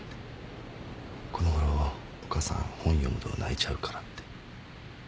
このごろお母さん本読むと泣いちゃうからって。